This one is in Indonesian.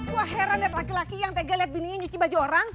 gua heran dari laki laki yang tega liat bini nyuci baju orang